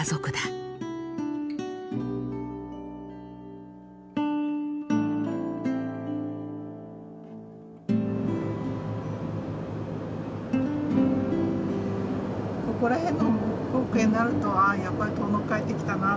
ここら辺の光景になるとああやっぱり遠野へ帰ってきたなって。